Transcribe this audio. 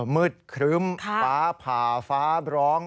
มืดคลึ้มป่าพาเฟ้าบร้อง